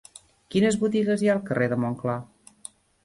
Quines botigues hi ha al carrer de Montclar?